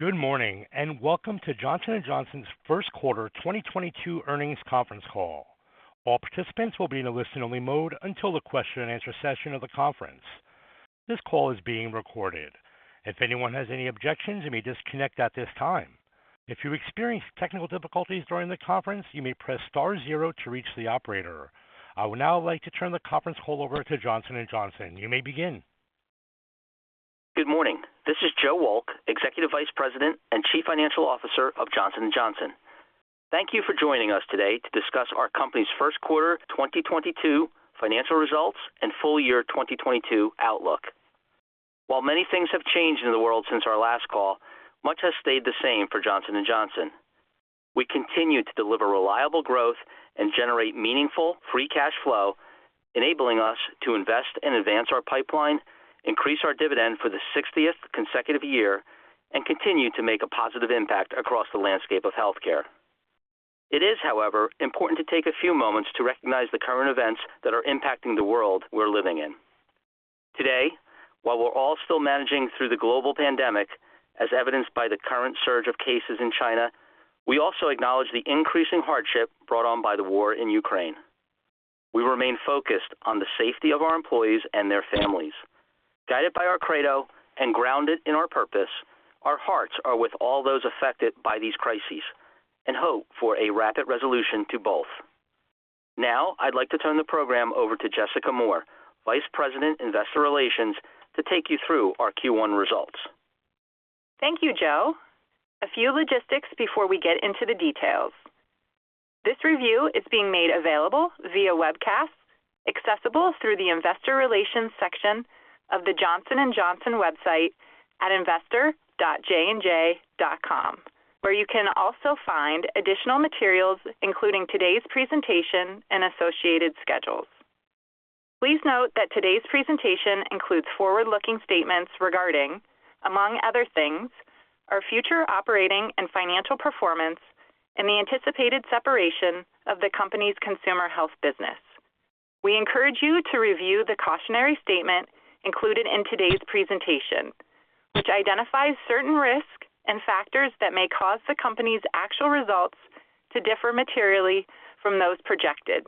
Good morning, and welcome to Johnson & Johnson's first quarter 2022 earnings conference call. All participants will be in a listen-only mode until the question-and-answer session of the conference. This call is being recorded. If anyone has any objections, you may disconnect at this time. If you experience technical difficulties during the conference, you may press star zero to reach the operator. I would now like to turn the conference call over to Johnson & Johnson. You may begin. Good morning. This is Joe Wolk, Executive Vice President and Chief Financial Officer of Johnson & Johnson. Thank you for joining us today to discuss our company's first quarter 2022 financial results and full year 2022 outlook. While many things have changed in the world since our last call, much has stayed the same for Johnson & Johnson. We continue to deliver reliable growth and generate meaningful free cash flow, enabling us to invest and advance our pipeline, increase our dividend for the 60th consecutive year, and continue to make a positive impact across the landscape of healthcare. It is, however, important to take a few moments to recognize the current events that are impacting the world we're living in. Today, while we're all still managing through the global pandemic, as evidenced by the current surge of cases in China, we also acknowledge the increasing hardship brought on by the war in Ukraine. We remain focused on the safety of our employees and their families. Guided by our credo and grounded in our purpose, our hearts are with all those affected by these crises and hope for a rapid resolution to both. Now, I'd like to turn the program over to Jessica Moore, Vice President, Investor Relations, to take you through our Q1 results. Thank you, Joe. A few logistics before we get into the details. This review is being made available via webcast, accessible through the Investor Relations section of the Johnson & Johnson website at investor.jnj.com, where you can also find additional materials, including today's presentation and associated schedules. Please note that today's presentation includes forward-looking statements regarding, among other things, our future operating and financial performance and the anticipated separation of the company's consumer health business. We encourage you to review the cautionary statement included in today's presentation, which identifies certain risks and factors that may cause the company's actual results to differ materially from those projected.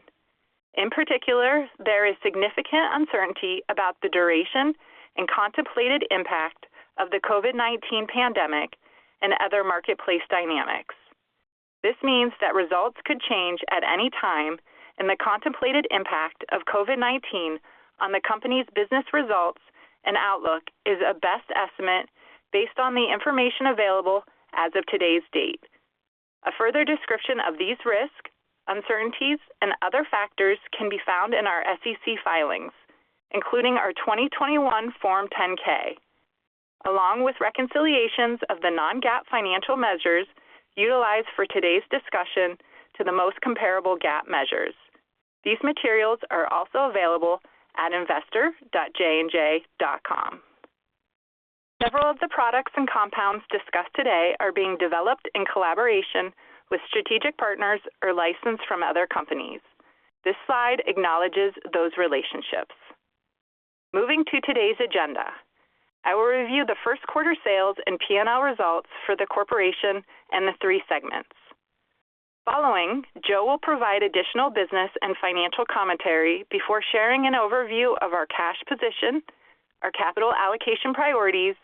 In particular, there is significant uncertainty about the duration and contemplated impact of the COVID-19 pandemic and other marketplace dynamics. This means that results could change at any time, and the contemplated impact of COVID-19 on the company's business results and outlook is a best estimate based on the information available as of today's date. A further description of these risks, uncertainties, and other factors can be found in our SEC filings, including our 2021 Form 10-K, along with reconciliations of the non-GAAP financial measures utilized for today's discussion to the most comparable GAAP measures. These materials are also available at investor.jnj.com. Several of the products and compounds discussed today are being developed in collaboration with strategic partners or licensed from other companies. This slide acknowledges those relationships. Moving to today's agenda. I will review the first quarter sales and P&L results for the corporation and the three segments. Following, Joe will provide additional business and financial commentary before sharing an overview of our cash position, our capital allocation priorities,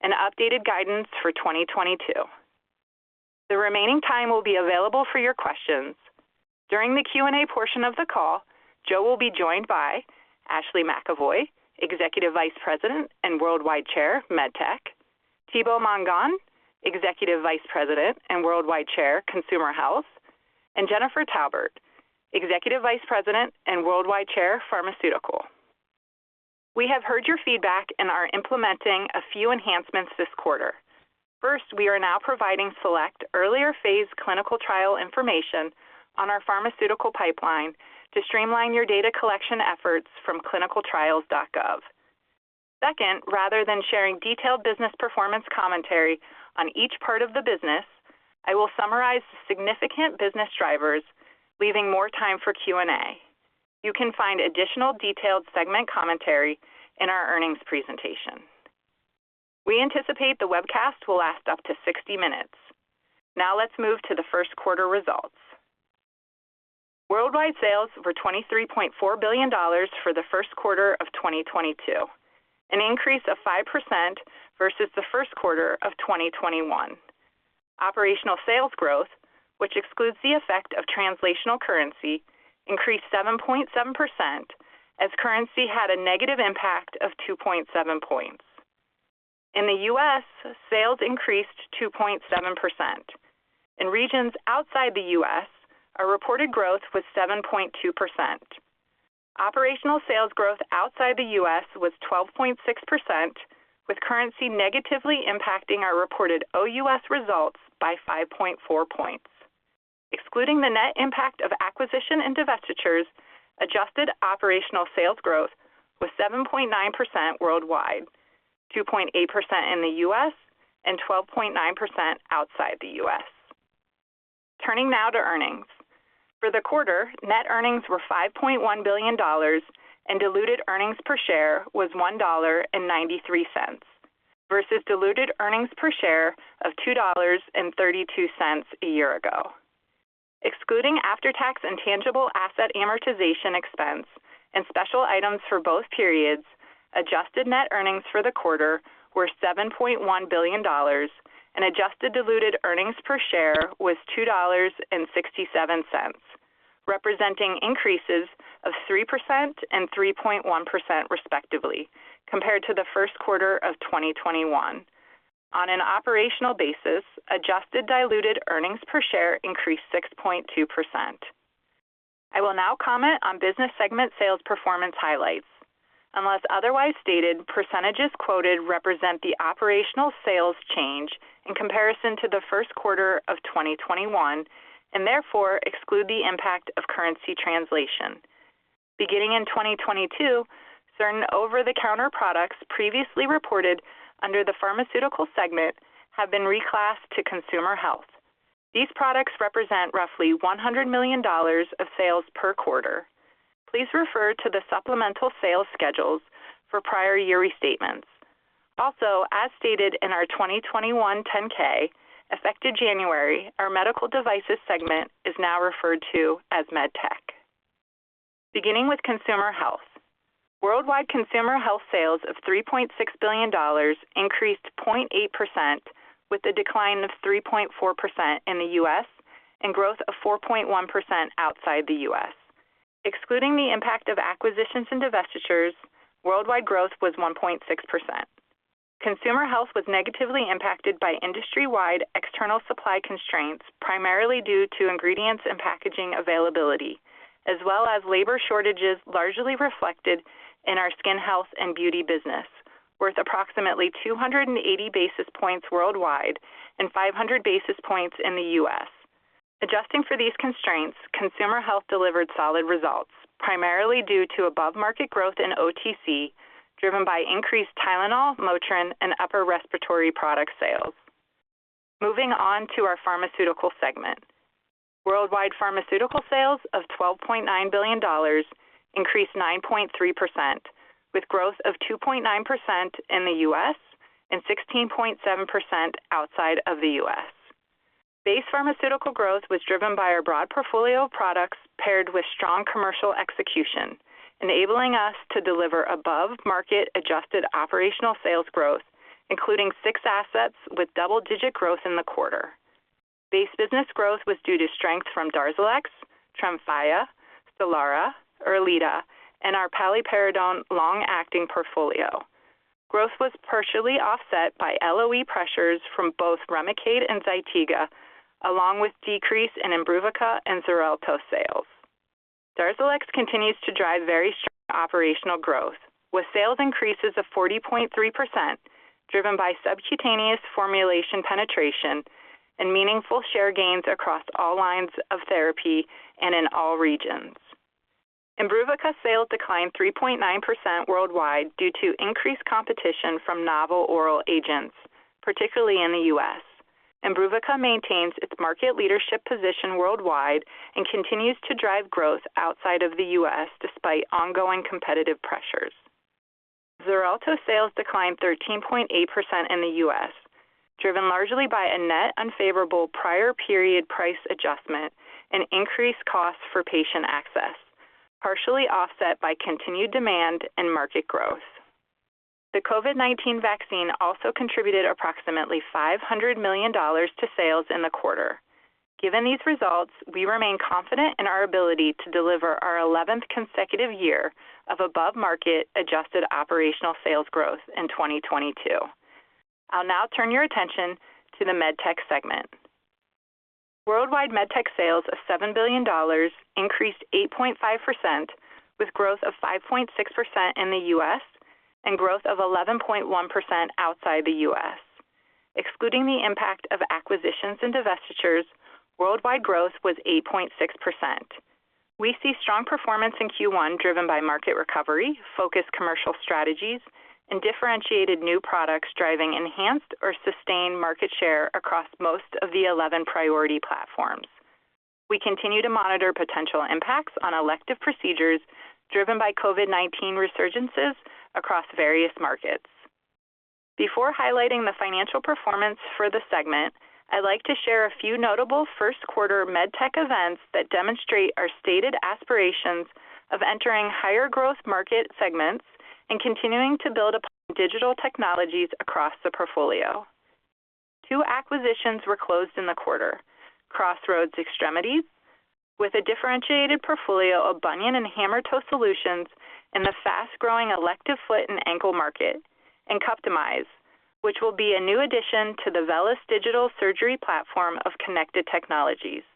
and updated guidance for 2022. The remaining time will be available for your questions. During the Q&A portion of the call, Joe will be joined by Ashley McEvoy, Executive Vice President and Worldwide Chair, MedTech, Thibaut Mongon, Executive Vice President and Worldwide Chair, Consumer Health, and Jennifer Taubert, Executive Vice President and Worldwide Chair, Pharmaceuticals. We have heard your feedback and are implementing a few enhancements this quarter. First, we are now providing select earlier-phase clinical trial information on our pharmaceutical pipeline to streamline your data collection efforts from clinicaltrials.gov. Second, rather than sharing detailed business performance commentary on each part of the business, I will summarize significant business drivers, leaving more time for Q&A. You can find additional detailed segment commentary in our earnings presentation. We anticipate the webcast will last up to 60 minutes. Now let's move to the first quarter results. Worldwide sales were $23.4 billion for the first quarter of 2022, an increase of 5% versus the first quarter of 2021. Operational sales growth, which excludes the effect of translational currency, increased 7.7% as currency had a negative impact of 2.7 points. In the U.S., sales increased 2.7%. In regions outside the U.S., our reported growth was 7.2%. Operational sales growth outside the U.S. was 12.6%, with currency negatively impacting our reported OUS results by 5.4 points. Excluding the net impact of acquisition and divestitures, adjusted operational sales growth was 7.9% worldwide, 2.8% in the U.S., and 12.9% outside the U.S. Turning now to earnings. For the quarter, net earnings were $5.1 billion and diluted earnings per share was $1.93 versus diluted earnings per share of $2.32 a year ago. Excluding after-tax in-process R&D and intangible asset amortization expense and special items for both periods, adjusted net earnings for the quarter were $7.1 billion and adjusted diluted earnings per share was $2.67, representing increases of 3% and 3.1% respectively, compared to the first quarter of 2021. On an operational basis, adjusted diluted earnings per share increased 6.2%. I will now comment on business segment sales performance highlights. Unless otherwise stated, percentages quoted represent the operational sales change in comparison to the first quarter of 2021 and therefore exclude the impact of currency translation. Beginning in 2022, certain over-the-counter products previously reported under the pharmaceutical segment have been reclassed to consumer health. These products represent roughly $100 million of sales per quarter. Please refer to the supplemental sales schedules for prior year restatements. Also, as stated in our 2021 10-K, effective January, our medical devices segment is now referred to as MedTech. Beginning with consumer health, worldwide consumer health sales of $3.6 billion increased 0.8% with a decline of 3.4% in the U.S. and growth of 4.1% outside the U.S. Excluding the impact of acquisitions and divestitures, worldwide growth was 1.6%. Consumer Health was negatively impacted by industry-wide external supply constraints, primarily due to ingredients and packaging availability, as well as labor shortages, largely reflected in our skin health and beauty business, worth approximately 280 basis points worldwide and 500 basis points in the U.S. Adjusting for these constraints, Consumer Health delivered solid results, primarily due to above-market growth in OTC, driven by increased Tylenol, Motrin, and upper respiratory product sales. Moving on to our Pharmaceutical segment. Worldwide Pharmaceutical sales of $12.9 billion increased 9.3%, with growth of 2.9% in the U.S. and 16.7% outside of the U.S. Base pharmaceutical growth was driven by our broad portfolio of products paired with strong commercial execution, enabling us to deliver above-market adjusted operational sales growth, including six assets with double-digit growth in the quarter. Base business growth was due to strength from DARZALEX, TREMFYA, STELARA, ERLEADA, and our paliperidone long-acting portfolio. Growth was partially offset by LOE pressures from both REMICADE and ZYTIGA, along with decrease in IMBRUVICA and XARELTO sales. DARZALEX continues to drive very strong operational growth, with sales increases of 40.3% driven by subcutaneous formulation penetration and meaningful share gains across all lines of therapy and in all regions. IMBRUVICA sales declined 3.9% worldwide due to increased competition from novel oral agents, particularly in the U.S. IMBRUVICA maintains its market leadership position worldwide and continues to drive growth outside of the U.S. despite ongoing competitive pressures. XARELTO sales declined 13.8% in the U.S., driven largely by a net unfavorable prior period price adjustment and increased costs for patient access, partially offset by continued demand and market growth. The COVID-19 vaccine also contributed approximately $500 million to sales in the quarter. Given these results, we remain confident in our ability to deliver our eleventh consecutive year of above-market adjusted operational sales growth in 2022. I'll now turn your attention to the MedTech segment. Worldwide MedTech sales of $7 billion increased 8.5%, with growth of 5.6% in the U.S. and growth of 11.1% outside the U.S. Excluding the impact of acquisitions and divestitures, worldwide growth was 8.6%. We see strong performance in Q1 driven by market recovery, focused commercial strategies, and differentiated new products driving enhanced or sustained market share across most of the 11 priority platforms. We continue to monitor potential impacts on elective procedures driven by COVID-19 resurgences across various markets. Before highlighting the financial performance for the segment, I'd like to share a few notable first quarter MedTech events that demonstrate our stated aspirations of entering higher growth market segments and continuing to build upon digital technologies across the portfolio. Two acquisitions were closed in the quarter, CrossRoads Extremity Systems, with a differentiated portfolio of bunion and hammer toe solutions in the fast-growing elective foot and ankle market, and CUPTIMIZE, which will be a new addition to the VELYS digital surgery platform of connected technologies.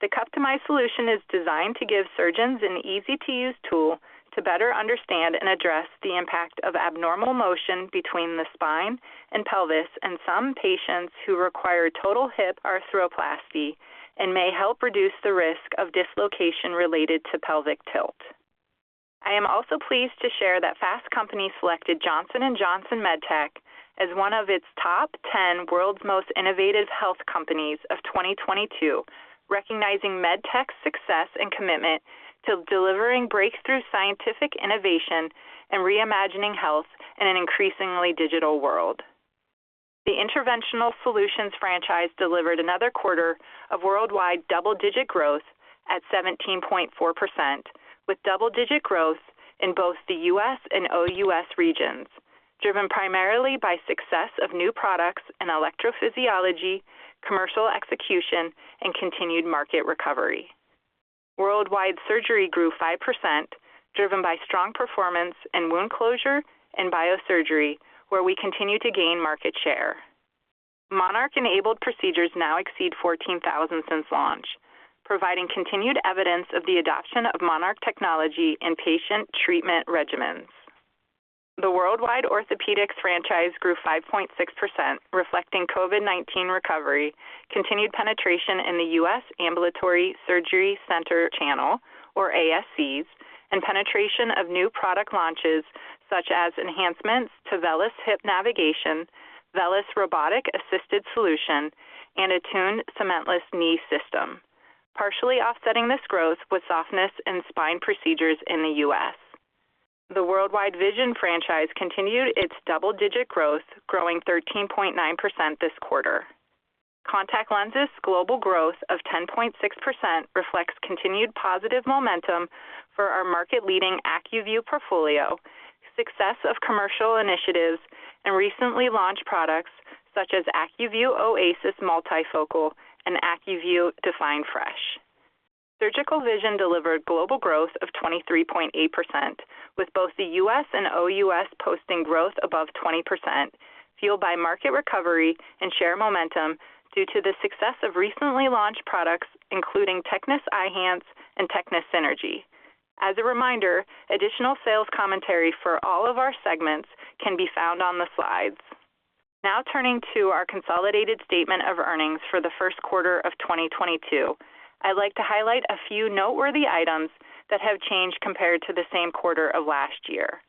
The CUPTIMIZE solution is designed to give surgeons an easy-to-use tool to better understand and address the impact of abnormal motion between the spine and pelvis in some patients who require total hip arthroplasty and may help reduce the risk of dislocation related to pelvic tilt. I am also pleased to share that Fast Company selected Johnson & Johnson MedTech as one of its top 10 world's most innovative health companies of 2022, recognizing MedTech's success and commitment to delivering breakthrough scientific innovation and reimagining health in an increasingly digital world. The Interventional Solutions franchise delivered another quarter of worldwide double-digit growth at 17.4% with double-digit growth in both the U.S. and OUS regions, driven primarily by success of new products and electrophysiology, commercial execution, and continued market recovery. Worldwide Surgery grew 5% driven by strong performance in wound closure and biosurgery, where we continue to gain market share. MONARCH-enabled procedures now exceed 14,000 since launch, providing continued evidence of the adoption of MONARCH technology in patient treatment regimens. The Worldwide Orthopedics franchise grew 5.6%, reflecting COVID-19 recovery, continued penetration in the U.S. Ambulatory Surgery Center channel, or ASCs, and penetration of new product launches such as enhancements to VELYS Hip Navigation, VELYS Robotic-Assisted Solution, and ATTUNE Cementless Knee System. Partially offsetting this growth was softness in spine procedures in the U.S. The Worldwide Vision franchise continued its double-digit growth, growing 13.9% this quarter. Contact lenses global growth of 10.6% reflects continued positive momentum for our market-leading ACUVUE portfolio, success of commercial initiatives, and recently launched products such as ACUVUE OASYS MULTIFOCAL and ACUVUE DEFINE Fresh. Surgical Vision delivered global growth of 23.8%, with both the U.S. and OUS posting growth above 20%, fueled by market recovery and share momentum due to the success of recently launched products, including TECNIS Eyhance and TECNIS Synergy. As a reminder, additional sales commentary for all of our segments can be found on the slides. Now turning to our consolidated statement of earnings for the first quarter of 2022. I'd like to highlight a few noteworthy items that have changed compared to the same quarter of last year.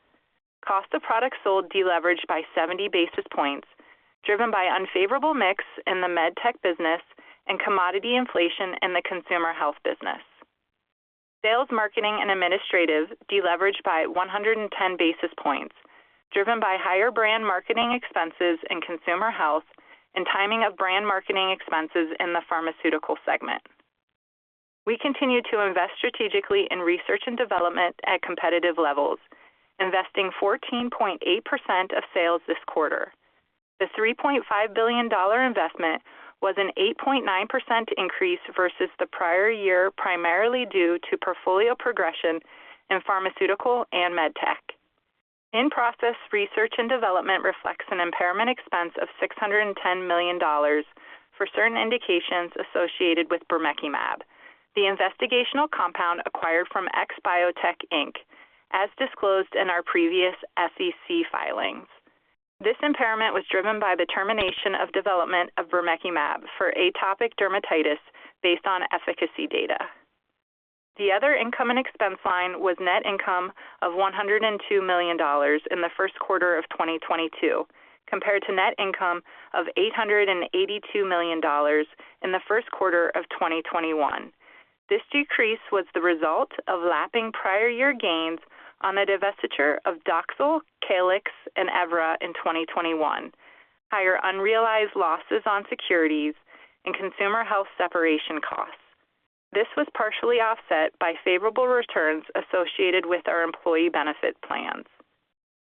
Cost of products sold deleveraged by 70 basis points, driven by unfavorable mix in the MedTech business and commodity inflation in the Consumer Health business. Sales, marketing, and administrative deleveraged by 110 basis points, driven by higher brand marketing expenses in Consumer Health and timing of brand marketing expenses in the Pharmaceutical segment. We continue to invest strategically in research and development at competitive levels, investing 14.8% of sales this quarter. The $3.5 billion investment was an 8.9% increase versus the prior year, primarily due to portfolio progression in Pharmaceuticals and MedTech. In-process research and development reflects an impairment expense of $610 million for certain indications associated with bermekimab, the investigational compound acquired from XBiotech Inc., as disclosed in our previous SEC filings. This impairment was driven by the termination of development of bermekimab for atopic dermatitis based on efficacy data. The other income and expense line was net income of $102 million in the first quarter of 2022, compared to net income of $882 million in the first quarter of 2021. This decrease was the result of lapping prior year gains on the divestiture of DOXIL, CAELYX, and EVRA in 2021, higher unrealized losses on securities, and Consumer Health separation costs. This was partially offset by favorable returns associated with our employee benefit plans.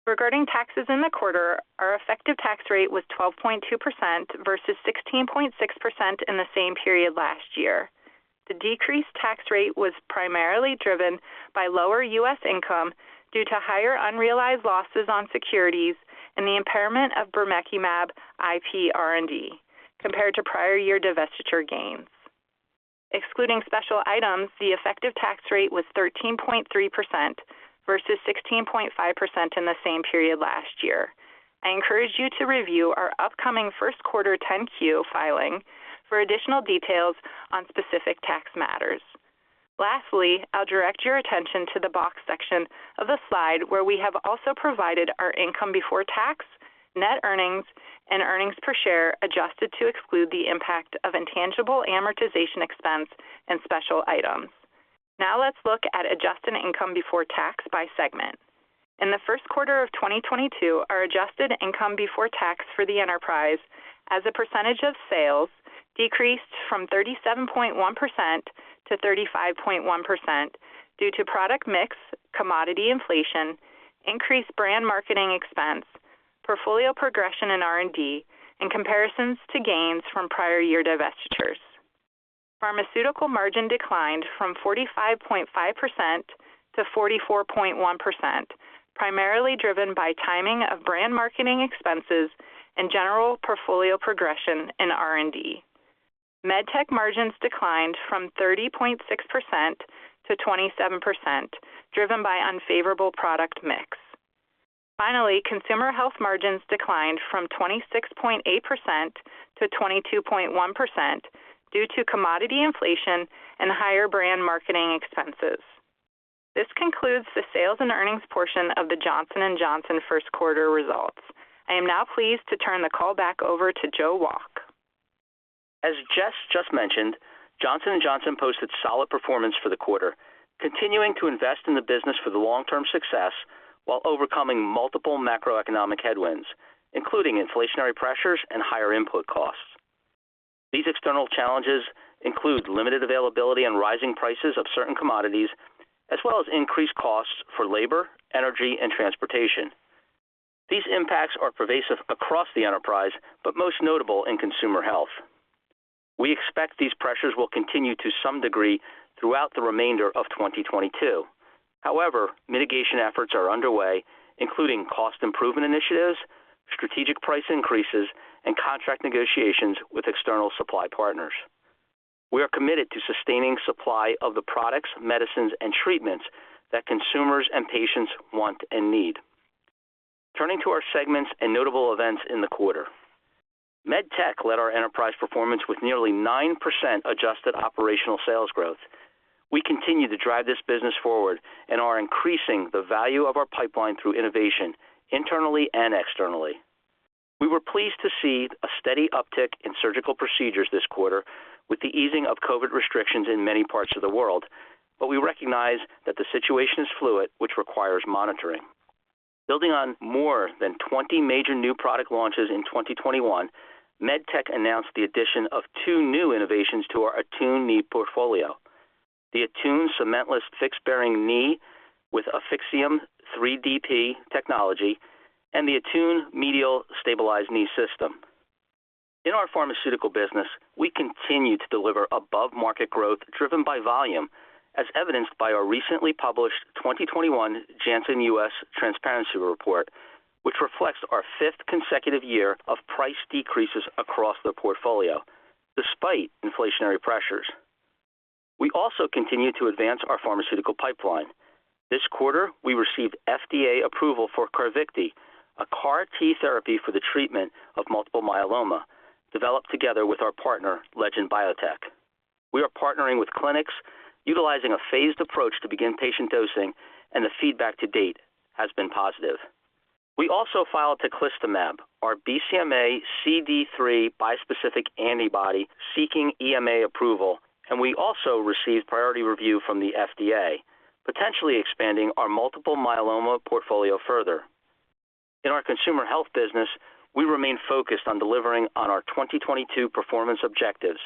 Regarding taxes in the quarter, our effective tax rate was 12.2% versus 16.6% in the same period last year. The decreased tax rate was primarily driven by lower U.S. income due to higher unrealized losses on securities and the impairment of bermekimab IP R&D compared to prior year divestiture gains. Excluding special items, the effective tax rate was 13.3% versus 16.5% in the same period last year. I encourage you to review our upcoming first quarter 10-Q filing for additional details on specific tax matters. Lastly, I'll direct your attention to the box section of the slide where we have also provided our income before tax, net earnings, and earnings per share adjusted to exclude the impact of intangible amortization expense and special items. Now let's look at adjusted income before tax by segment. In the first quarter of 2022, our adjusted income before tax for the enterprise as a percentage of sales decreased from 37.1%-35.1% due to product mix, commodity inflation, increased brand marketing expense, portfolio progression in R&D, and comparisons to gains from prior year divestitures. Pharmaceutical margin declined from 45.5%-44.1%, primarily driven by timing of brand marketing expenses and general portfolio progression in R&D. MedTech margins declined from 30.6%-27%, driven by unfavorable product mix. Finally, consumer health margins declined from 26.8%-22.1% due to commodity inflation and higher brand marketing expenses. This concludes the sales and earnings portion of the Johnson & Johnson first quarter results. I am now pleased to turn the call back over to Joe Wolk. As Jess just mentioned, Johnson & Johnson posted solid performance for the quarter, continuing to invest in the business for the long-term success while overcoming multiple macroeconomic headwinds, including inflationary pressures and higher input costs. These external challenges include limited availability and rising prices of certain commodities, as well as increased costs for labor, energy, and transportation. These impacts are pervasive across the enterprise, but most notable in Consumer Health. We expect these pressures will continue to some degree throughout the remainder of 2022. However, mitigation efforts are underway, including cost improvement initiatives, strategic price increases, and contract negotiations with external supply partners. We are committed to sustaining supply of the products, medicines and treatments that consumers and patients want and need. Turning to our segments and notable events in the quarter. MedTech led our enterprise performance with nearly 9% adjusted operational sales growth. We continue to drive this business forward and are increasing the value of our pipeline through innovation internally and externally. We were pleased to see a steady uptick in surgical procedures this quarter with the easing of COVID restrictions in many parts of the world. We recognize that the situation is fluid, which requires monitoring. Building on more than 20 major new product launches in 2021, MedTech announced the addition of two new innovations to our ATTUNE Knee portfolio. The ATTUNE Cementless Fixed Bearing Knee with AFFIXIUM 3DP technology and the ATTUNE Medial Stabilized Knee System. In our pharmaceutical business, we continue to deliver above-market growth driven by volume, as evidenced by our recently published 2021 Janssen U.S. Transparency Report, which reflects our fifth consecutive year of price decreases across the portfolio despite inflationary pressures. We also continue to advance our pharmaceutical pipeline. This quarter, we received FDA approval for CARVYKTI, a CAR T therapy for the treatment of multiple myeloma, developed together with our partner Legend Biotech. We are partnering with clinics utilizing a phased approach to begin patient dosing, and the feedback to date has been positive. We also filed teclistamab, our BCMA CD3 bispecific antibody, seeking EMA approval, and we also received priority review from the FDA, potentially expanding our multiple myeloma portfolio further. In our consumer health business, we remain focused on delivering on our 2022 performance objectives,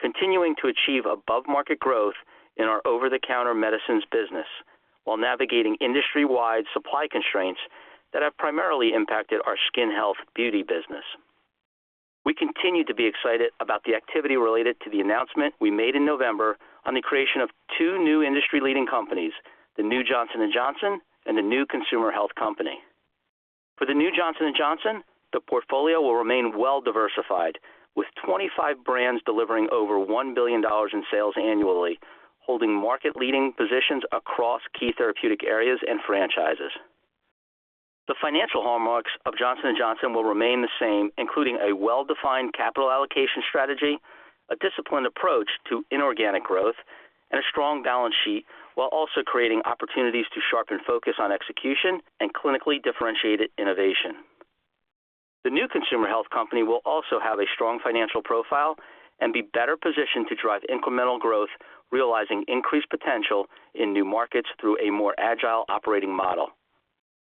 continuing to achieve above market growth in our over-the-counter medicines business while navigating industry-wide supply constraints that have primarily impacted our skin health beauty business. We continue to be excited about the activity related to the announcement we made in November on the creation of two new industry-leading companies, the new Johnson & Johnson and the new Consumer Health Company. For the New Johnson & Johnson, the portfolio will remain well-diversified, with 25 brands delivering over $1 billion in sales annually, holding market-leading positions across key therapeutic areas and franchises. The financial hallmarks of Johnson & Johnson will remain the same, including a well-defined capital allocation strategy, a disciplined approach to inorganic growth, and a strong balance sheet, while also creating opportunities to sharpen focus on execution and clinically differentiated innovation. The new Consumer Health Company will also have a strong financial profile and be better positioned to drive incremental growth, realizing increased potential in new markets through a more agile operating model.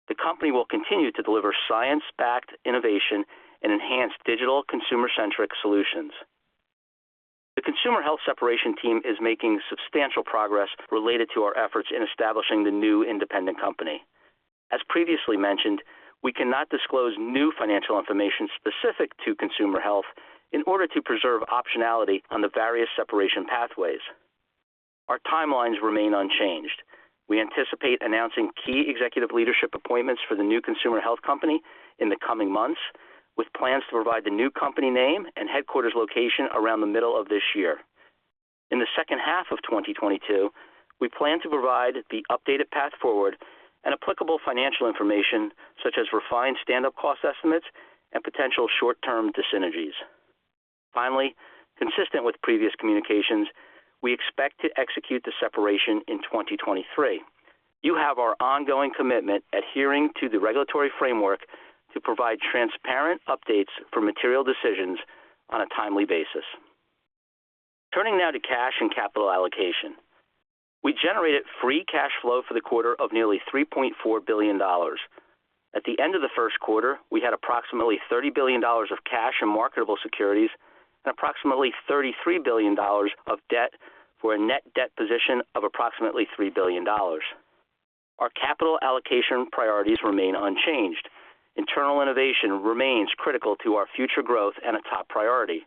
The company will continue to deliver science-backed innovation and enhanced digital consumer-centric solutions. The Consumer Health Separation Team is making substantial progress related to our efforts in establishing the new independent company. As previously mentioned, we cannot disclose new financial information specific to Consumer Health in order to preserve optionality on the various separation pathways. Our timelines remain unchanged. We anticipate announcing key executive leadership appointments for the new Consumer Health Company in the coming months, with plans to provide the new company name and headquarters location around the middle of this year. In the second half of 2022, we plan to provide the updated path forward and applicable financial information such as refined stand up cost estimates and potential short-term dissynergies. Finally, consistent with previous communications, we expect to execute the separation in 2023. You have our ongoing commitment adhering to the regulatory framework to provide transparent updates for material decisions on a timely basis. Turning now to cash and capital allocation. We generated free cash flow for the quarter of nearly $3.4 billion. At the end of the first quarter, we had approximately $30 billion of cash and marketable securities and approximately $33 billion of debt for a net debt position of approximately $3 billion. Our capital allocation priorities remain unchanged. Internal innovation remains critical to our future growth and a top priority.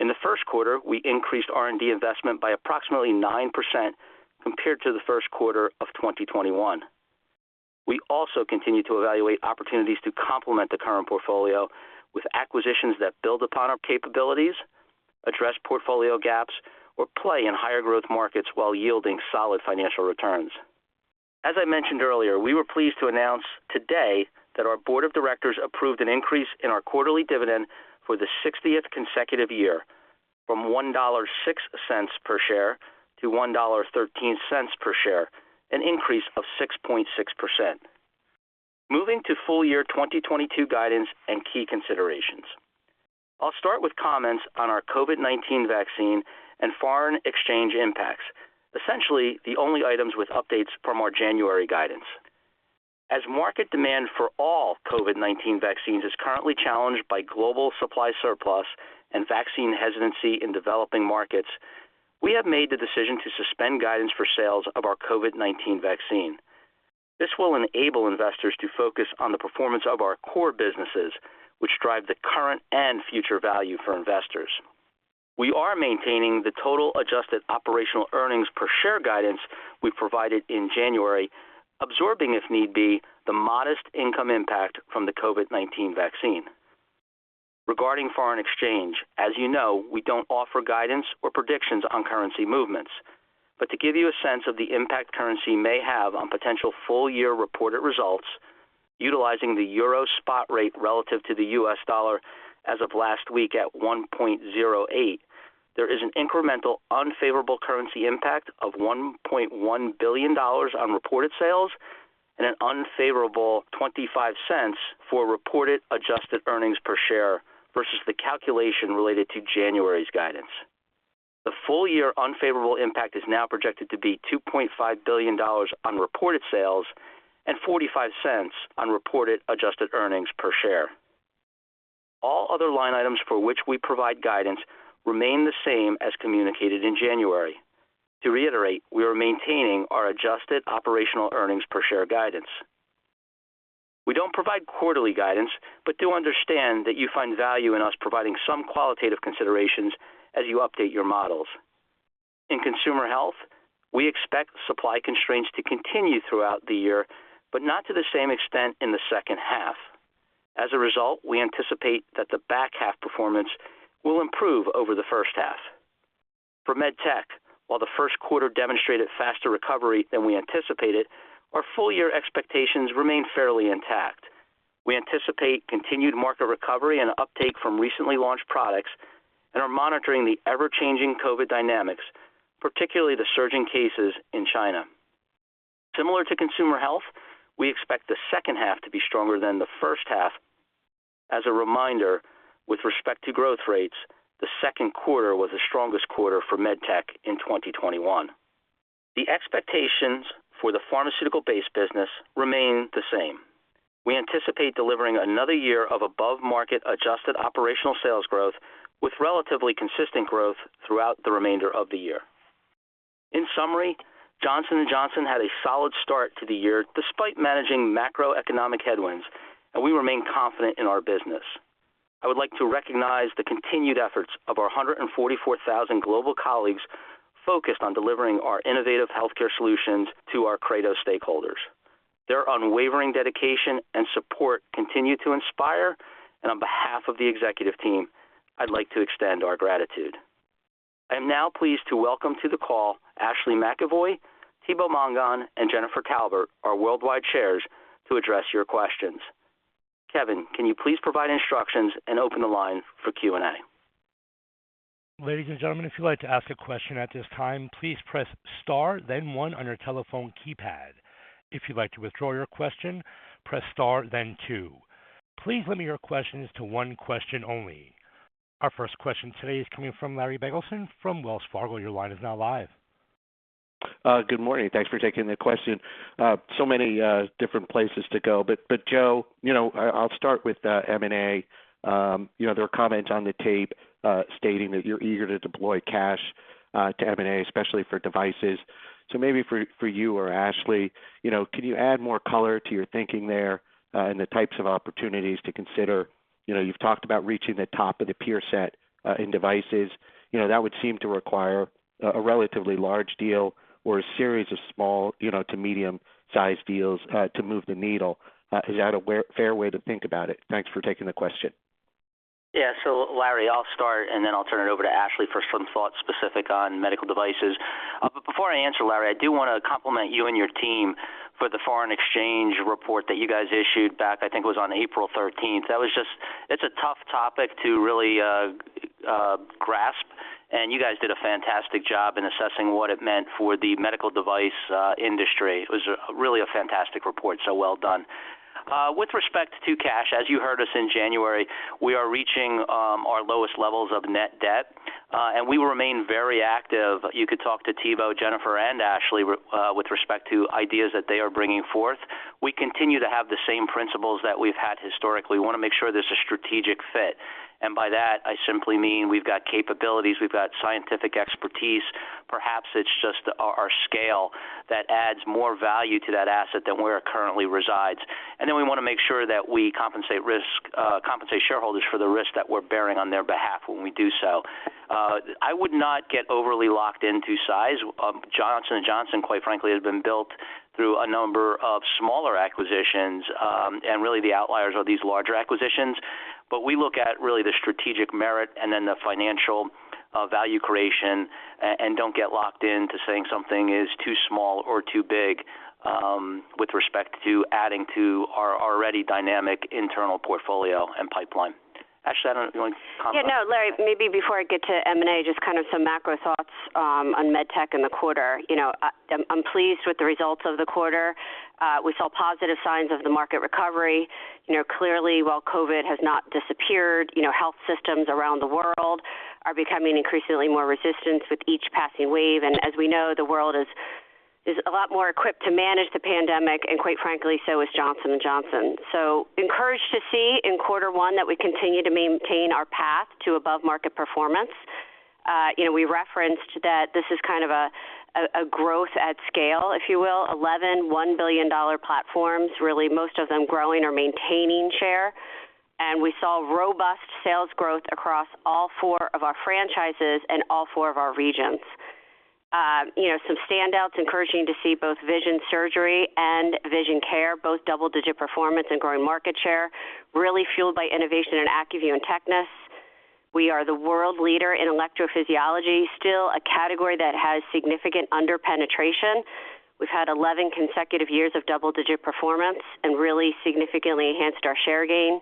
In the first quarter, we increased R&D investment by approximately 9% compared to the first quarter of 2021. We also continue to evaluate opportunities to complement the current portfolio with acquisitions that build upon our capabilities, address portfolio gaps, or play in higher growth markets while yielding solid financial returns. As I mentioned earlier, we were pleased to announce today that our board of directors approved an increase in our quarterly dividend for the 60th consecutive year from $1.06 per share to $1.13 per share, an increase of 6.6%. Moving to full year 2022 guidance and key considerations. I'll start with comments on our COVID-19 vaccine and foreign exchange impacts. Essentially, the only items with updates from our January guidance. As market demand for all COVID-19 vaccines is currently challenged by global supply surplus and vaccine hesitancy in developing markets, we have made the decision to suspend guidance for sales of our COVID-19 vaccine. This will enable investors to focus on the performance of our core businesses, which drive the current and future value for investors. We are maintaining the total adjusted operational earnings per share guidance we provided in January, absorbing, if need be, the modest income impact from the COVID-19 vaccine. Regarding foreign exchange, as you know, we don't offer guidance or predictions on currency movements. To give you a sense of the impact currency may have on potential full-year reported results, utilizing the euro spot rate relative to the U.S. dollar as of last week at 1.08, there is an incremental unfavorable currency impact of $1.1 billion on reported sales and an unfavorable $0.25 for reported adjusted earnings per share versus the calculation related to January's guidance. The full-year unfavorable impact is now projected to be $2.5 billion on reported sales and $0.45 on reported adjusted earnings per share. All other line items for which we provide guidance remain the same as communicated in January. To reiterate, we are maintaining our adjusted operational earnings per share guidance. We don't provide quarterly guidance but do understand that you find value in us providing some qualitative considerations as you update your models. In Consumer Health, we expect supply constraints to continue throughout the year, but not to the same extent in the second half. As a result, we anticipate that the back half performance will improve over the first half. For MedTech, while the first quarter demonstrated faster recovery than we anticipated, our full-year expectations remain fairly intact. We anticipate continued market recovery and uptake from recently launched products and are monitoring the ever-changing COVID dynamics, particularly the surging cases in China. Similar to Consumer Health, we expect the second half to be stronger than the first half. As a reminder, with respect to growth rates, the second quarter was the strongest quarter for MedTech in 2021. The expectations for the pharmaceutical base business remain the same. We anticipate delivering another year of above-market adjusted operational sales growth with relatively consistent growth throughout the remainder of the year. In summary, Johnson & Johnson had a solid start to the year despite managing macroeconomic headwinds, and we remain confident in our business. I would like to recognize the continued efforts of our 144,000 global colleagues focused on delivering our innovative healthcare solutions to our credo stakeholders. Their unwavering dedication and support continue to inspire, and on behalf of the executive team, I'd like to extend our gratitude. I am now pleased to welcome to the call Ashley McEvoy, Thibaut Mongon, and Jennifer Taubert, our worldwide chairs, to address your questions. Kevin, can you please provide instructions and open the line for Q&A? Ladies and gentlemen, if you'd like to ask a question at this time, please press star then one on your telephone keypad. If you'd like to withdraw your question, press star then two. Please limit your questions to one question only. Our first question today is coming from Larry Biegelsen from Wells Fargo. Your line is now live. Good morning. Thanks for taking the question. Many different places to go, but Joe, you know, I'll start with M&A. You know, there are comments on the tape stating that you're eager to deploy cash to M&A, especially for devices. Maybe for you or Ashley, you know, can you add more color to your thinking there and the types of opportunities to consider? You know, you've talked about reaching the top of the peer set in devices. You know, that would seem to require a relatively large deal or a series of small, you know, to medium-sized deals to move the needle. Is that a fair way to think about it? Thanks for taking the question. Yeah. Larry, I'll start, and then I'll turn it over to Ashley for some thoughts specific on medical devices. Before I answer, Larry, I do want to compliment you and your team for the foreign exchange report that you guys issued back, I think it was on April 13. That was just. It's a tough topic to really grasp, and you guys did a fantastic job in assessing what it meant for the medical device industry. It was really a fantastic report, so well done. With respect to cash, as you heard us in January, we are reaching our lowest levels of net debt, and we will remain very active. You could talk to Thibault, Jennifer, and Ashley with respect to ideas that they are bringing forth. We continue to have the same principles that we've had historically. We want to make sure there's a strategic fit. By that, I simply mean we've got capabilities, we've got scientific expertise. Perhaps it's just our scale that adds more value to that asset than where it currently resides. Then we want to make sure that we compensate shareholders for the risk that we're bearing on their behalf when we do so. I would not get overly locked into size. Johnson & Johnson, quite frankly, has been built. Through a number of smaller acquisitions, and really the outliers are these larger acquisitions. We look at really the strategic merit and then the financial value creation and don't get locked in to saying something is too small or too big, with respect to adding to our already dynamic internal portfolio and pipeline. Ashley, I don't know if you want to comment. Yeah, no, Larry, maybe before I get to M&A, just kind of some macro thoughts on MedTech in the quarter. You know, I'm pleased with the results of the quarter. We saw positive signs of the market recovery. You know, clearly, while COVID has not disappeared, you know, health systems around the world are becoming increasingly more resistant with each passing wave. As we know, the world is a lot more equipped to manage the pandemic, and quite frankly, so is Johnson & Johnson. Encouraged to see in quarter one that we continue to maintain our path to above-market performance. You know, we referenced that this is kind of a growth at scale, if you will, 11 one-billion-dollar platforms, really most of them growing or maintaining share. We saw robust sales growth across all four of our franchises and all four of our regions. You know, some standouts, encouraging to see both vision surgery and vision care, both double-digit performance and growing market share, really fueled by innovation in ACUVUE and TECNIS. We are the world leader in electrophysiology, still a category that has significant under-penetration. We've had 11 consecutive years of double-digit performance and really significantly enhanced our share gain.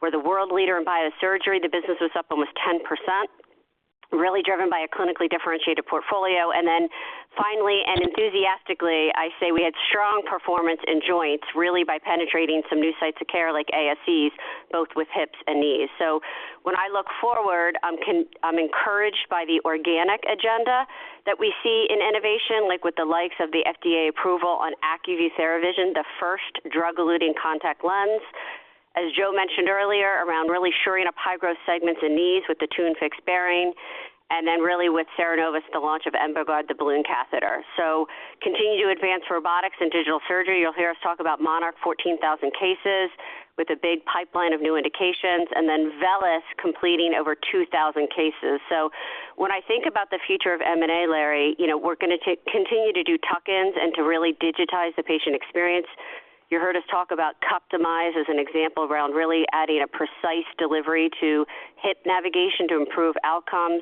We're the world leader in biosurgery. The business was up almost 10%, really driven by a clinically differentiated portfolio. Finally, and enthusiastically, I say we had strong performance in joints, really by penetrating some new sites of care like ASCs, both with hips and knees. When I look forward, I'm encouraged by the organic agenda that we see in innovation, like with the likes of the FDA approval on ACUVUE Theravision, the first drug-eluting contact lens. As Joe mentioned earlier, around really shoring up high-growth segments in knees with the ATTUNE Fixed Bearing, and then really with CERENOVUS, the launch of EMBOGUARD, the balloon catheter. Continue to advance robotics and digital surgery. You'll hear us talk about MONARCH 14,000 cases with a big pipeline of new indications, and then VELYS completing over 2,000 cases. When I think about the future of M&A, Larry, you know, we're gonna to continue to do tuck-ins and to really digitize the patient experience. You heard us talk about CUPTIMIZE as an example around really adding a precise delivery to hip navigation to improve outcomes.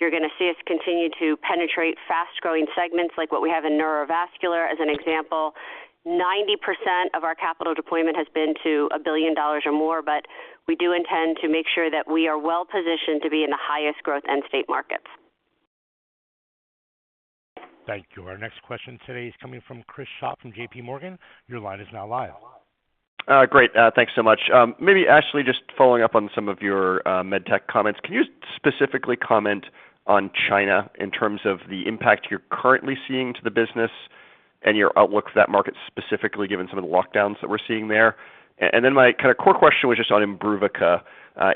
You're going to see us continue to penetrate fast-growing segments like what we have in neurovascular, as an example. 90% of our capital deployment has been to $1 billion or more, but we do intend to make sure that we are well-positioned to be in the highest growth end-state markets. Thank you. Our next question today is coming from Chris Schott from J.P. Morgan. Your line is now live. Great. Thanks so much. Maybe Ashley, just following up on some of your MedTech comments. Can you specifically comment on China in terms of the impact you're currently seeing to the business and your outlook for that market, specifically given some of the lockdowns that we're seeing there? Then my kind of core question was just on IMBRUVICA.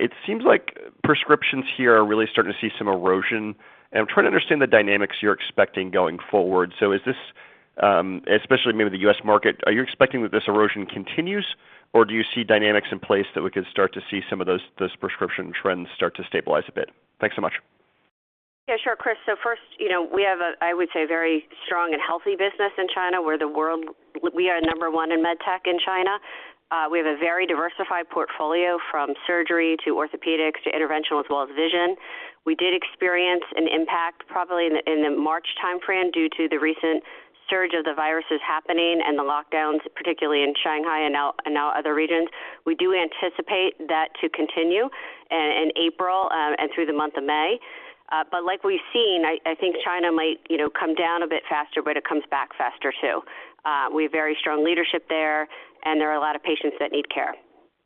It seems like prescriptions here are really starting to see some erosion, and I'm trying to understand the dynamics you're expecting going forward. Is this, especially maybe the U.S. market, are you expecting that this erosion continues, or do you see dynamics in place that we could start to see some of those prescription trends start to stabilize a bit? Thanks so much. Yeah, sure, Chris. First, you know, we have a, I would say, very strong and healthy business in China. We are number one in MedTech in China. We have a very diversified portfolio from surgery to orthopedics to interventional as well as vision. We did experience an impact probably in the March timeframe due to the recent surge of the viruses happening and the lockdowns, particularly in Shanghai and now other regions. We do anticipate that to continue in April and through the month of May. But like we've seen, I think China might, you know, come down a bit faster, but it comes back faster, too. We have very strong leadership there, and there are a lot of patients that need care.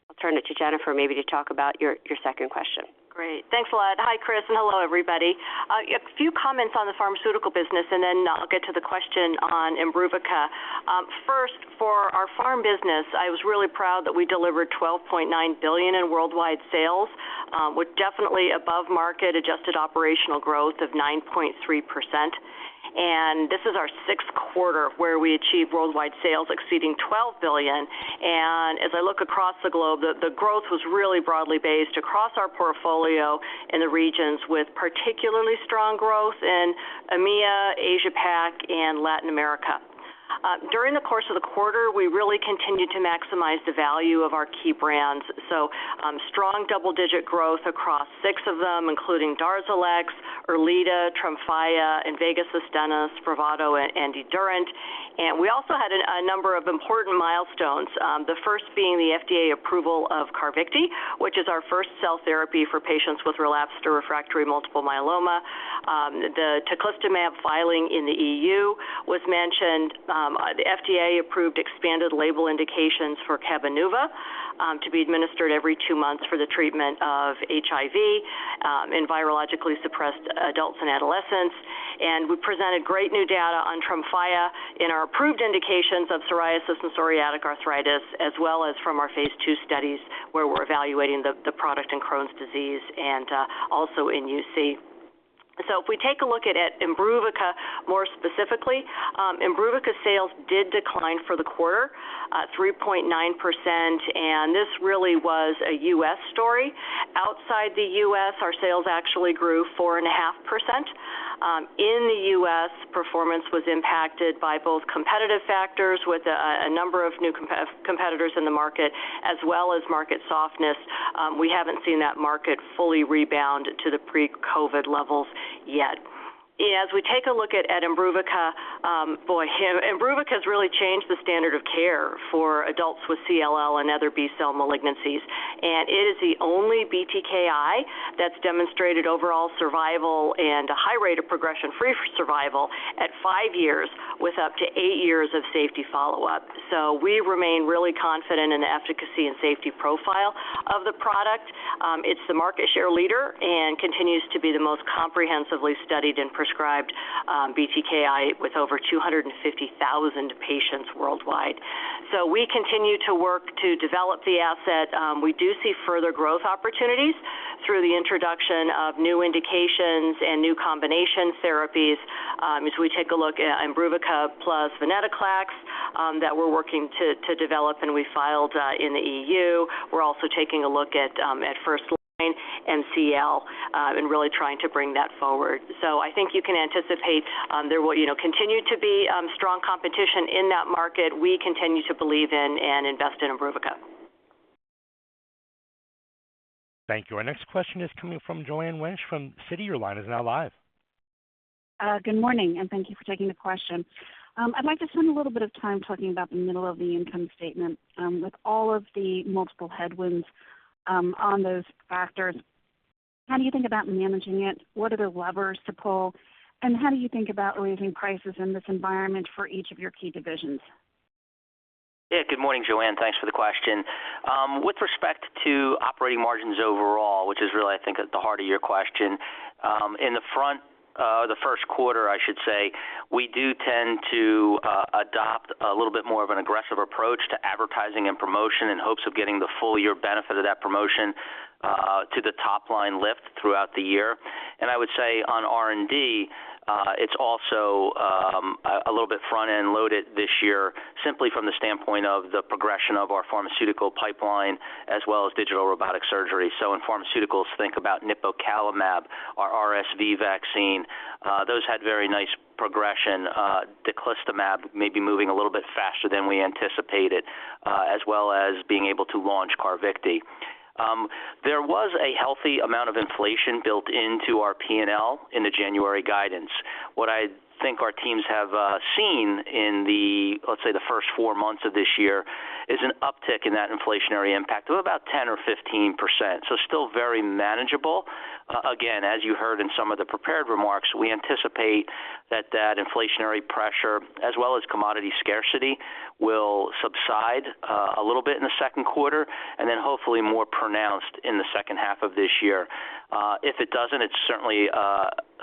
I'll turn it to Jennifer maybe to talk about your second question. Great. Thanks a lot. Hi, Chris, and hello, everybody. A few comments on the pharmaceutical business, and then I'll get to the question on IMBRUVICA. First, for our pharm business, I was really proud that we delivered $12.9 billion in worldwide sales, with definitely above market adjusted operational growth of 9.3%. This is our sixth quarter where we achieved worldwide sales exceeding $12 billion. As I look across the globe, the growth was really broadly based across our portfolio in the regions with particularly strong growth in EMEA, Asia PAC, and Latin America. During the course of the quarter, we really continued to maximize the value of our key brands. Strong double-digit growth across six of them, including DARZALEX, ERLEADA, TREMFYA, INVEGA SUSTENNA, SPRAVATO, and EDURANT. We also had a number of important milestones, the first being the FDA approval of CARVYKTI, which is our first cell therapy for patients with relapsed or refractory multiple myeloma. The Teclistamab filing in the EU was mentioned. The FDA approved expanded label indications for CABENUVA to be administered every two months for the treatment of HIV in virologically suppressed adults and adolescents. We presented great new data on TREMFYA in our approved indications of psoriasis and psoriatic arthritis, as well as from our phase II studies, where we're evaluating the product in Crohn's disease and also in UC. If we take a look at IMBRUVICA more specifically, IMBRUVICA sales did decline for the quarter, 3.9%, and this really was a U.S. story. Outside the U.S., our sales actually grew 4.5%. In the US, performance was impacted by both competitive factors with a number of new competitors in the market as well as market softness. We haven't seen that market fully rebound to the pre-COVID levels yet. As we take a look at IMBRUVICA, boy, IMBRUVICA has really changed the standard of care for adults with CLL and other B-cell malignancies. It is the only BTKi that's demonstrated overall survival and a high rate of progression-free survival at five years with up to eight years of safety follow-up. We remain really confident in the efficacy and safety profile of the product. It's the market share leader and continues to be the most comprehensively studied and prescribed BTKi with over 250,000 patients worldwide. We continue to work to develop the asset. We do see further growth opportunities through the introduction of new indications and new combination therapies, as we take a look at IMBRUVICA plus venetoclax, that we're working to develop, and we filed in the E.U. We're also taking a look at first-line MCL, and really trying to bring that forward. I think you can anticipate there will, you know, continue to be strong competition in that market. We continue to believe in and invest in IMBRUVICA. Thank you. Our next question is coming from Joanne Wuensch from Citi. Your line is now live. Good morning, and thank you for taking the question. I'd like to spend a little bit of time talking about the middle of the income statement. With all of the multiple headwinds, on those factors, how do you think about managing it? What are the levers to pull, and how do you think about raising prices in this environment for each of your key divisions? Yeah. Good morning, Joanne. Thanks for the question. With respect to operating margins overall, which is really, I think, at the heart of your question, in the front, the first quarter, I should say, we do tend to adopt a little bit more of an aggressive approach to advertising and promotion in hopes of getting the full year benefit of that promotion to the top line lift throughout the year. I would say on R&D, it's also a little bit front-end loaded this year simply from the standpoint of the progression of our pharmaceutical pipeline as well as digital robotic surgery. In pharmaceuticals, think about nipocalimab, our RSV vaccine. Those had very nice progression. Teclistamab may be moving a little bit faster than we anticipated, as well as being able to launch CARVYKTI. There was a healthy amount of inflation built into our P&L in the January guidance. What I think our teams have seen in the, let's say, the first four months of this year is an uptick in that inflationary impact of about 10% or 15%, so still very manageable. Again, as you heard in some of the prepared remarks, we anticipate that that inflationary pressure as well as commodity scarcity will subside a little bit in the second quarter and then hopefully more pronounced in the second half of this year. If it doesn't, it's certainly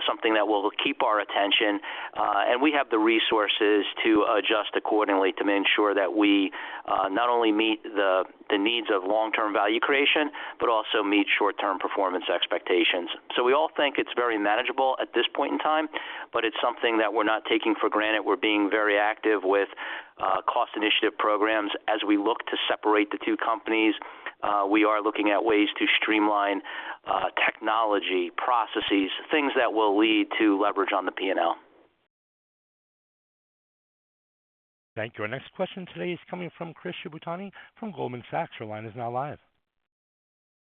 something that will keep our attention, and we have the resources to adjust accordingly to ensure that we not only meet the needs of long-term value creation, but also meet short-term performance expectations. We all think it's very manageable at this point in time, but it's something that we're not taking for granted. We're being very active with cost initiative programs. As we look to separate the two companies, we are looking at ways to streamline technology processes, things that will lead to leverage on the P&L. Thank you. Our next question today is coming from Chris Shibutani from Goldman Sachs. Your line is now live.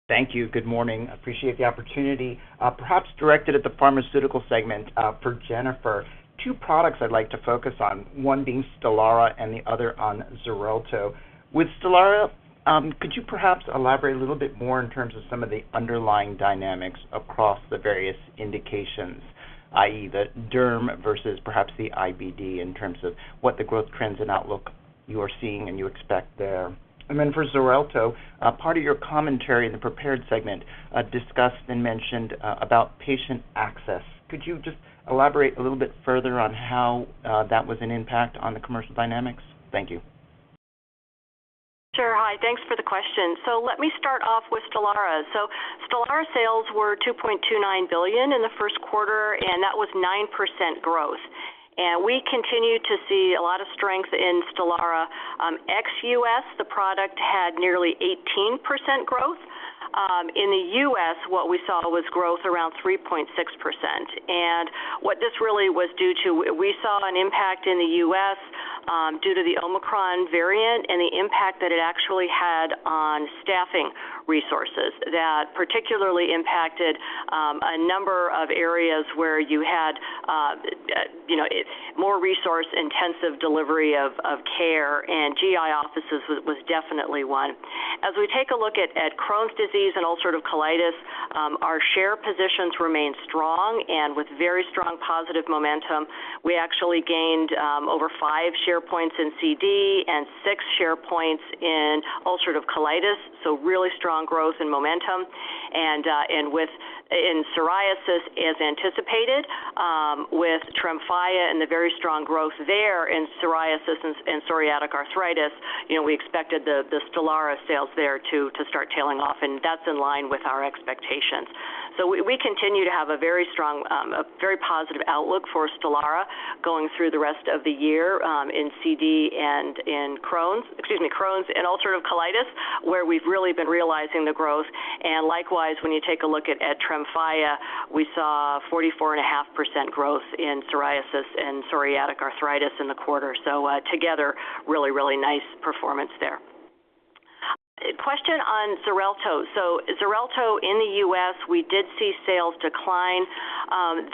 Thank you. Good morning. I appreciate the opportunity. Perhaps directed at the Pharmaceutical segment, for Jennifer, two products I'd like to focus on, one being STELARA and the other on XARELTO. With STELARA, could you perhaps elaborate a little bit more in terms of some of the underlying dynamics across the various indications, i.e., the derm versus perhaps the IBD in terms of what the growth trends and outlook you are seeing and you expect there? For XARELTO, part of your commentary in the prepared segment discussed and mentioned about patient access. Could you just elaborate a little bit further on how that was an impact on the commercial dynamics? Thank you. Sure. Hi. Thanks for the question. Let me start off with STELARA. STELARA sales were $2.29 billion in the first quarter, and that was 9% growth. We continue to see a lot of strength in STELARA. Ex-U.S., the product had nearly 18% growth. In the U.S., what we saw was growth around 3.6%. What this really was due to, we saw an impact in the U.S. due to the Omicron variant and the impact that it actually had on staffing resources that particularly impacted a number of areas where you had you know, more resource-intensive delivery of care, and GI offices was definitely one. As we take a look at Crohn's disease and ulcerative colitis, our share positions remain strong and with very strong positive momentum. We actually gained over 5 share points in CD and 6 share points in ulcerative colitis, so really strong growth and momentum. In psoriasis, as anticipated, with TREMFYA and the very strong growth there in psoriasis and psoriatic arthritis, you know, we expected the STELARA sales there to start tailing off, and that's in line with our expectations. We continue to have a very strong, a very positive outlook for STELARA going through the rest of the year, in CD and in Crohn's, excuse me, Crohn's and ulcerative colitis, where we've really been realizing the growth. Likewise, when you take a look at TREMFYA, we saw 44.5% growth in psoriasis and psoriatic arthritis in the quarter. Together, really nice performance there. Question on XARELTO. XARELTO in the U.S., we did see sales decline.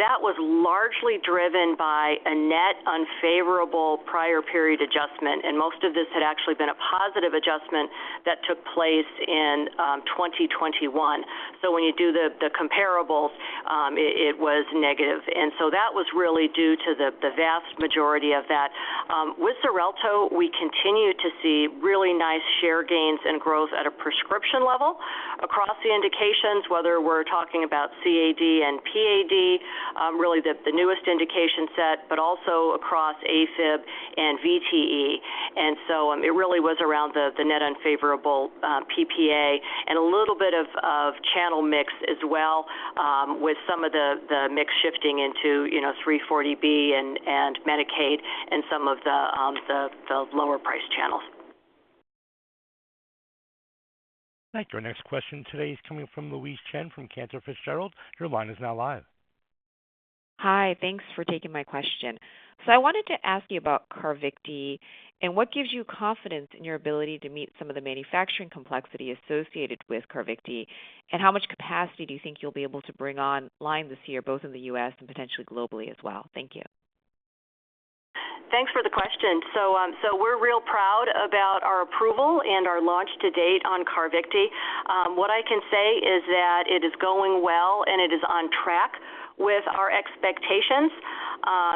That was largely driven by a net unfavorable prior period adjustment, and most of this had actually been a positive adjustment that took place in 2021. When you do the comparables, it was negative. That was really due to the vast majority of that. With XARELTO, we continue to see really nice share gains and growth at a prescription level across the indications, whether we're talking about CAD and PAD, really the newest indication set, but also across AFib and VTE. It really was around the net unfavorable PPA and a little bit of channel mix as well, with some of the mix shifting into, you know, 340B and Medicaid and some of the lower price channels. Thank you. Our next question today is coming from Louise Chen from Cantor Fitzgerald. Your line is now live. Hi. Thanks for taking my question. I wanted to ask you about CARVYKTI and what gives you confidence in your ability to meet some of the manufacturing complexity associated with CARVYKTI, and how much capacity do you think you'll be able to bring online this year, both in the U.S. and potentially globally as well? Thank you. Thanks for the question. We're real proud about our approval and our launch to date on CARVYKTI. What I can say is that it is going well, and it is on track with our expectations.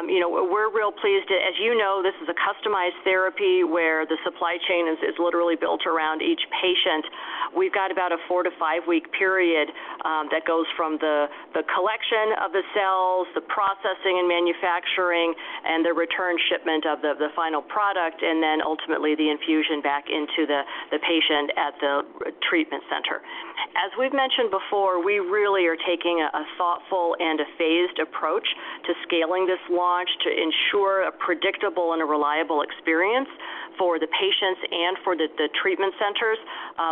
You know, we're real pleased. As you know, this is a customized therapy where the supply chain is literally built around each patient. We've got about a 4- to 5-week period that goes from the collection of the cells, the processing and manufacturing, and the return shipment of the final product, and then ultimately the infusion back into the patient at the treatment center. As we've mentioned before, we really are taking a thoughtful and a phased approach to scaling this launch to ensure a predictable and a reliable experience for the patients and for the treatment centers.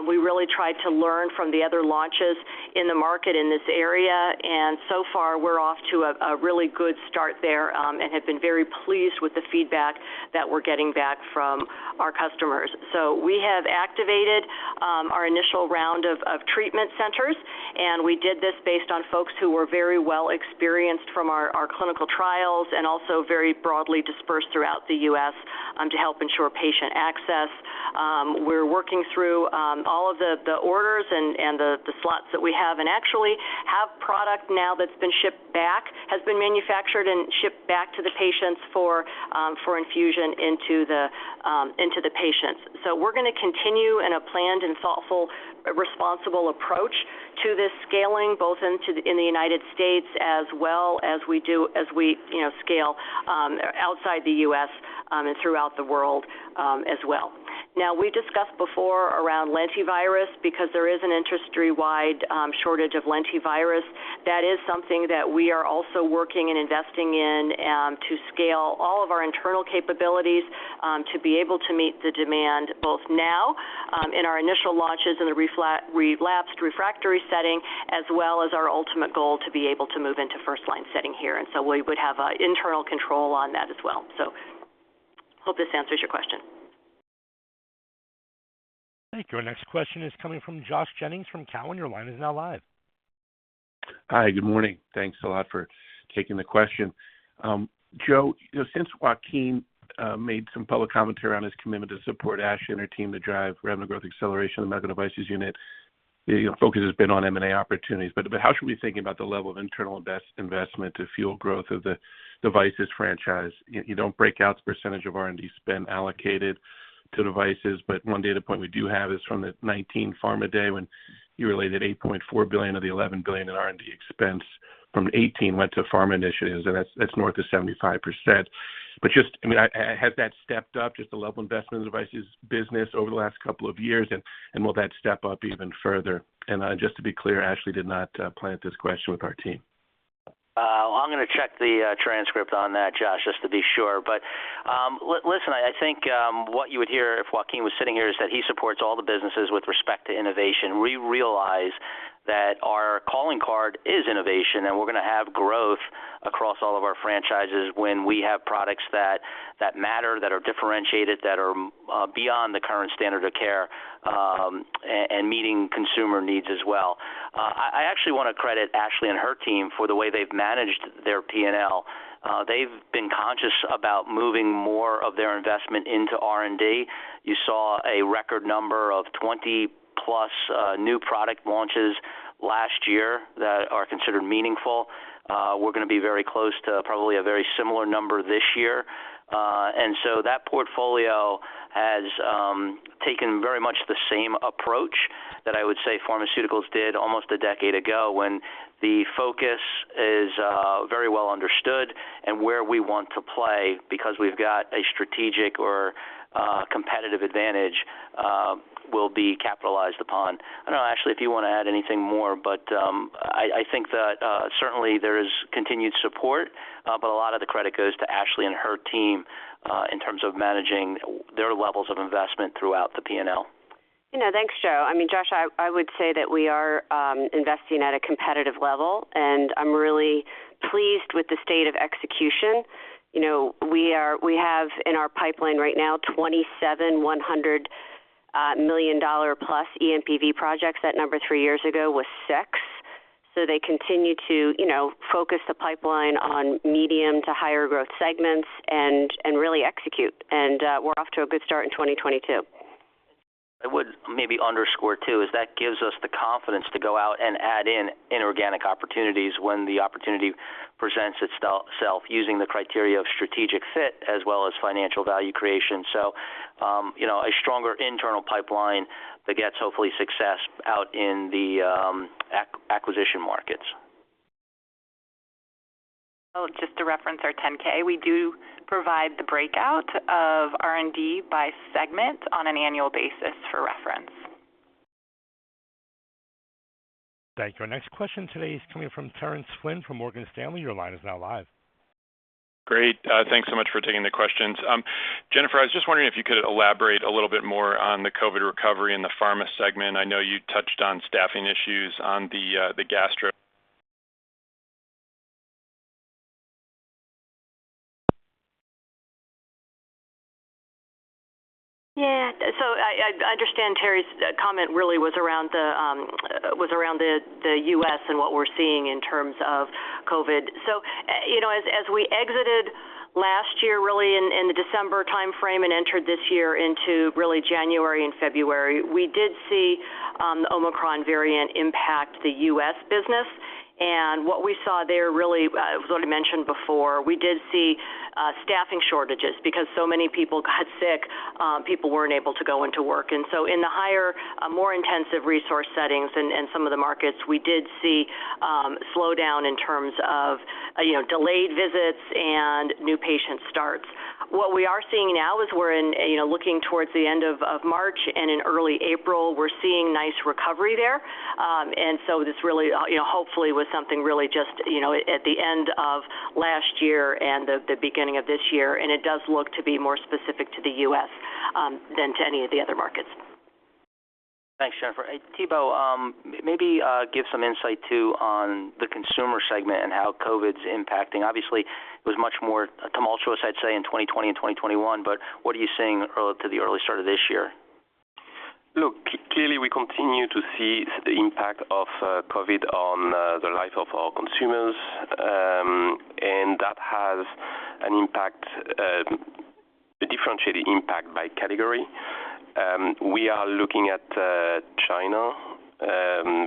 We really try to learn from the other launches in the market in this area, and so far we're off to a really good start there, and have been very pleased with the feedback that we're getting back from our customers. We have activated our initial round of treatment centers, and we did this based on folks who were very well experienced from our clinical trials and also very broadly dispersed throughout the U.S., to help ensure patient access. We're working through all of the orders and the slots that we have, and actually have product now that's been manufactured and shipped back to the patients for infusion into the patients. We're gonna continue in a planned and thoughtful, responsible approach to this scaling, both into the United States as well as we scale, you know, outside the U.S., and throughout the world, as well. Now we discussed before around lentivirus because there is an industry-wide shortage of lentivirus. That is something that we are also working and investing in, to scale all of our internal capabilities, to be able to meet the demand both now, in our initial launches in the relapsed refractory setting, as well as our ultimate goal to be able to move into first-line setting here. We would have internal control on that as well. Hope this answers your question. Thank you. Our next question is coming from Josh Jennings from Cowen. Your line is now live. Hi. Good morning. Thanks a lot for taking the question. Joe, you know, since Joaquin made some public commentary on his commitment to support Ashley and her team to drive revenue growth acceleration in the medical devices unit, you know, focus has been on M&A opportunities. How should we be thinking about the level of internal investment to fuel growth of the devices franchise? You don't break out the percentage of R&D spend allocated to devices, but one data point we do have is from the 2019 Pharma Day when you allocated $8.4 billion of the $11 billion in R&D expense from 2018 went to pharma initiatives, and that's north of 75%. Just, I mean, has that stepped up, just the level of investment in devices business over the last couple of years? Will that step up even further? Just to be clear, Ashley did not plant this question with our team. I'm gonna check the transcript on that, Josh, just to be sure. Listen, I think what you would hear if Joaquin was sitting here is that he supports all the businesses with respect to innovation. We realize that our calling card is innovation, and we're gonna have growth across all of our franchises when we have products that matter, that are differentiated, that are beyond the current standard of care, and meeting consumer needs as well. I actually wanna credit Ashley and her team for the way they've managed their P&L. They've been conscious about moving more of their investment into R&D. You saw a record number of 20-plus new product launches last year that are considered meaningful. We're gonna be very close to probably a very similar number this year. That portfolio has taken very much the same approach that I would say Pharmaceuticals did almost a decade ago when the focus is very well understood. Where we want to play because we've got a strategic or competitive advantage will be capitalized upon. I don't know, Ashley, if you wanna add anything more, but I think that certainly there's continued support, but a lot of the credit goes to Ashley and her team in terms of managing their levels of investment throughout the P&L. You know, thanks, Joe. I mean, Josh, I would say that we are investing at a competitive level, and I'm really pleased with the state of execution. You know, we have in our pipeline right now 27 $100 million-plus ENPV projects. That number three years ago was six. They continue to, you know, focus the pipeline on medium to higher growth segments and really execute. We're off to a good start in 2022. I would maybe underscore, too, is that gives us the confidence to go out and add in inorganic opportunities when the opportunity presents itself using the criteria of strategic fit as well as financial value creation. You know, a stronger internal pipeline begets hopefully success out in the acquisition markets. Well, just to reference our 10-K, we do provide the breakout of R&D by segment on an annual basis for reference. Thank you. Our next question today is coming from Terence Flynn from Morgan Stanley. Your line is now live. Great. Thanks so much for taking the questions. Jennifer, I was just wondering if you could elaborate a little bit more on the COVID recovery in the pharma segment. I know you touched on staffing issues on the gastro- Yeah. I understand Terence's comment really was around the U.S. and what we're seeing in terms of COVID. You know, as we exited last year, really in the December timeframe and entered this year into really January and February, we did see the Omicron variant impact the U.S. business. What we saw there really was already mentioned before. We did see staffing shortages because so many people got sick, people weren't able to go into work. In the higher more intensive resource settings in some of the markets, we did see slowdown in terms of, you know, delayed visits and new patient starts. What we are seeing now is we're in, you know, looking towards the end of March and in early April, we're seeing nice recovery there. This really, you know, hopefully was something really just, you know, at the end of last year and the beginning of this year, and it does look to be more specific to the U.S. than to any of the other markets. Thanks, Jennifer. Thibaut, maybe give some insight too on the consumer segment and how COVID's impacting. Obviously, it was much more tumultuous, I'd say, in 2020 and 2021, but what are you seeing at the early start of this year? Look, clearly, we continue to see the impact of COVID on the life of our consumers, and that has an impact, a differentiated impact by category. We are looking at China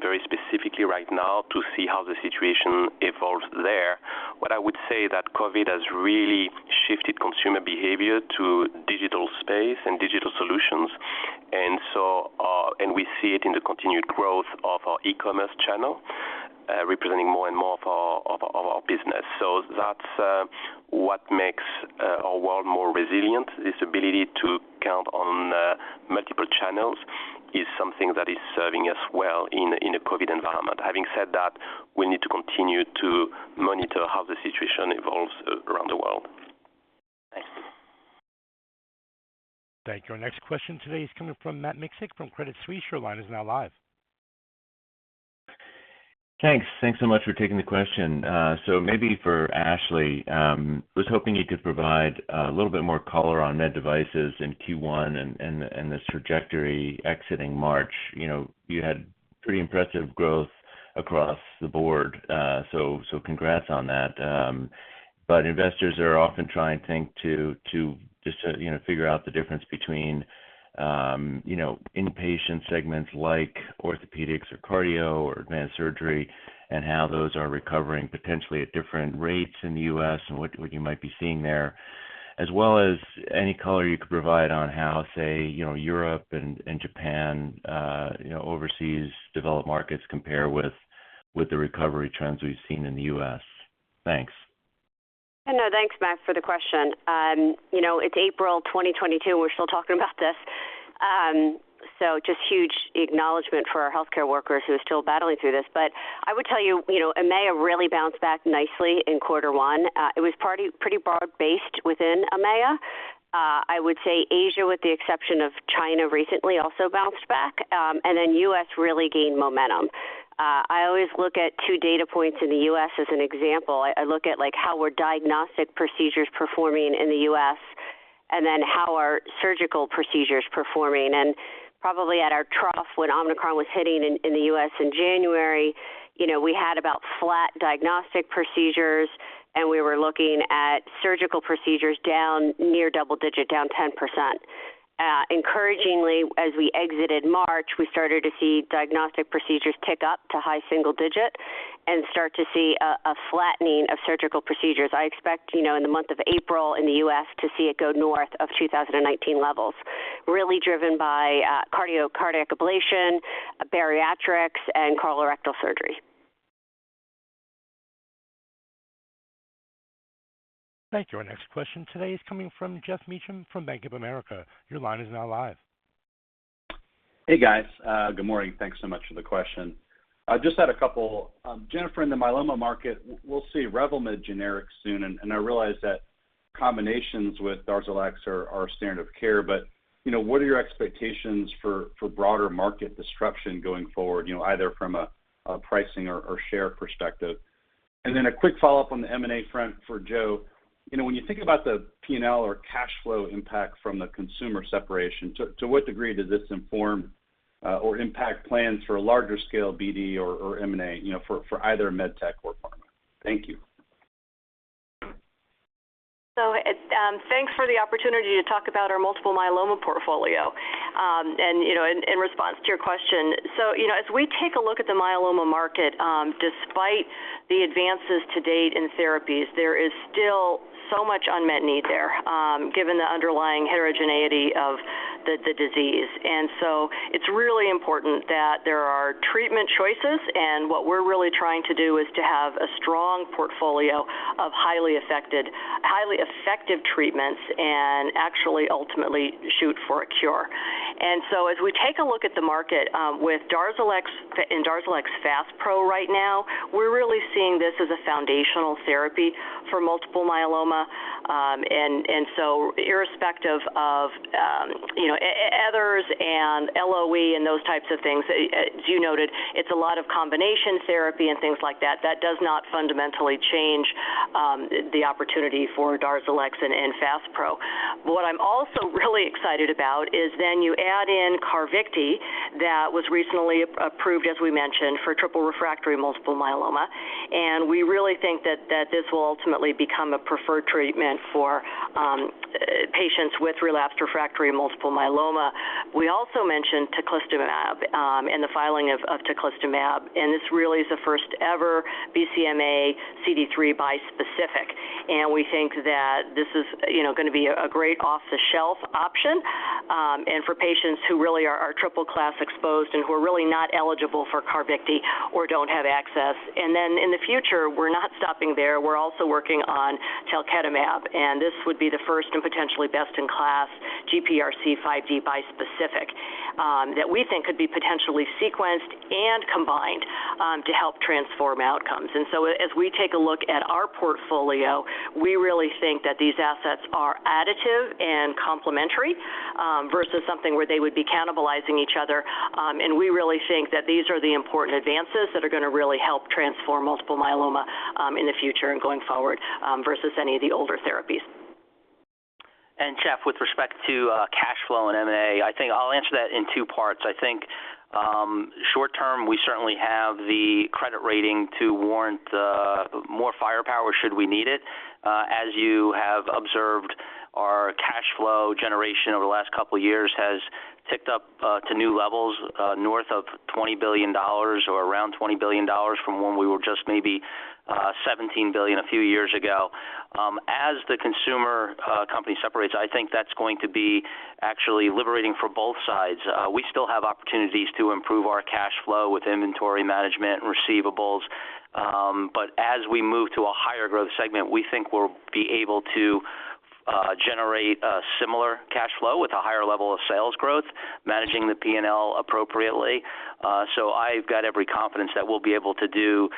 very specifically right now to see how the situation evolves there. What I would say that COVID has really shifted consumer behavior to digital space and digital solutions. We see it in the continued growth of our e-commerce channel, representing more and more of our business. That's what makes our world more resilient. This ability to count on multiple channels is something that is serving us well in a COVID environment. Having said that, we need to continue to monitor how the situation evolves around the world. Thanks. Thank you. Our next question today is coming from Matt Miksic from Credit Suisse. Your line is now live. Thanks. Thanks so much for taking the question. Maybe for Ashley, was hoping you could provide a little bit more color on MedTech in Q1 and this trajectory exiting March. You know, you had pretty impressive growth across the board, so congrats on that. But investors are often trying to think to just, you know, figure out the difference between, you know, inpatient segments like orthopedics or cardio or advanced surgery and how those are recovering potentially at different rates in the U.S. and what you might be seeing there, as well as any color you could provide on how, say, you know, Europe and Japan, you know, overseas developed markets compare with the recovery trends we've seen in the U.S. Thanks. No, thanks, Matt, for the question. You know, it's April 2022, we're still talking about this. Just huge acknowledgment for our healthcare workers who are still battling through this. I would tell you know, EMEA really bounced back nicely in quarter one. It was pretty broad-based within EMEA. I would say Asia, with the exception of China recently, also bounced back. U.S. really gained momentum. I always look at two data points in the U.S. as an example. I look at, like, how were diagnostic procedures performing in the U.S., and then how are surgical procedures performing. Probably at our trough when Omicron was hitting in the U.S. in January, you know, we had about flat diagnostic procedures, and we were looking at surgical procedures down near double digit, down 10%. Encouragingly, as we exited March, we started to see diagnostic procedures tick up to high single digit and start to see a flattening of surgical procedures. I expect, you know, in the month of April in the U.S. to see it go north of 2019 levels, really driven by cardiac ablation, bariatrics, and colorectal surgery. Thank you. Our next question today is coming from Geoff Meacham from Bank of America. Your line is now live. Hey, guys. Good morning. Thanks so much for the question. I just had a couple. Jennifer, in the myeloma market, we'll see REVLIMID generic soon, and I realize that combinations with DARZALEX are standard of care. You know, what are your expectations for broader market disruption going forward, either from a pricing or share perspective? And then a quick follow-up on the M&A front for Joe. You know, when you think about the P&L or cash flow impact from the consumer separation, to what degree does this inform or impact plans for a larger scale BD or M&A, you know, for either MedTech or pharma? Thank you. Thanks for the opportunity to talk about our multiple myeloma portfolio. You know, in response to your question, you know, as we take a look at the myeloma market, despite the advances to date in therapies, there is still so much unmet need there, given the underlying heterogeneity of the disease. It's really important that there are treatment choices, and what we're really trying to do is to have a strong portfolio of highly effective treatments and actually ultimately shoot for a cure. As we take a look at the market, with DARZALEX and DARZALEX FASPRO right now, we're really seeing this as a foundational therapy for multiple myeloma. Irrespective of, you know, others and LOE and those types of things, as you noted, it's a lot of combination therapy and things like that that does not fundamentally change the opportunity for DARZALEX and FASPRO. What I'm also really excited about is then you add in CARVYKTI that was recently approved, as we mentioned, for triple refractory multiple myeloma, and we really think that this will ultimately become a preferred treatment for patients with relapsed refractory multiple myeloma. We also mentioned Teclistamab and the filing of Teclistamab, and this really is the first ever BCMA CD3 bispecific. We think that this is, you know, gonna be a great off-the-shelf option and for patients who really are triple class exposed and who are really not eligible for CARVYKTI or don't have access. In the future, we're not stopping there. We're also working on talquetamab, and this would be the first and potentially best in class GPRC5D bispecific that we think could be potentially sequenced and combined to help transform outcomes. As we take a look at our portfolio, we really think that these assets are additive and complementary versus something where they would be cannibalizing each other. We really think that these are the important advances that are gonna really help transform multiple myeloma in the future and going forward versus any of the older therapies. Geoff, with respect to cash flow and M&A, I think I'll answer that in two parts. I think short term, we certainly have the credit rating to warrant more firepower should we need it. As you have observed, our cash flow generation over the last couple of years has ticked up to new levels north of $20 billion or around $20 billion from when we were just maybe $17 billion a few years ago. As the consumer company separates, I think that's going to be actually liberating for both sides. We still have opportunities to improve our cash flow with inventory management and receivables. But as we move to a higher growth segment, we think we'll be able to generate a similar cash flow with a higher level of sales growth, managing the P&L appropriately. I've got every confidence that we'll be able to do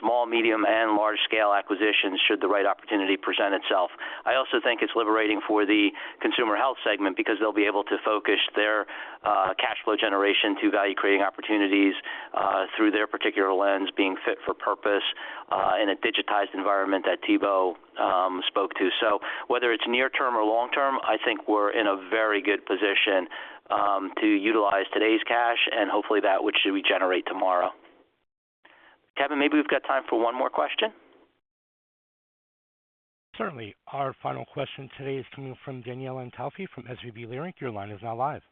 small, medium and large scale acquisitions should the right opportunity present itself. I also think it's liberating for the consumer health segment because they'll be able to focus their cash flow generation to value creating opportunities through their particular lens being fit for purpose in a digitized environment that Thibaut spoke to. Whether it's near term or long term, I think we're in a very good position to utilize today's cash and hopefully that which should we generate tomorrow. Kevin, maybe we've got time for one more question. Certainly. Our final question today is coming from Danielle Antalffy from SVB Leerink. Your line is now live.